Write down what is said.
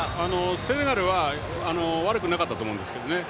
セネガルは悪くなかったと思うんですけどね。